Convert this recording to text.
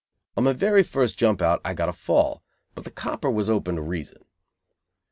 On my very first jump out I got a fall, but the copper was open to reason.